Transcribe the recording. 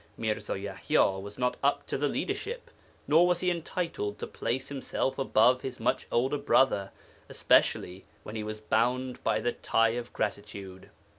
Mirza Yaḥya was not up to the leadership, nor was he entitled to place himself above his much older brother, especially when he was bound by the tie of gratitude.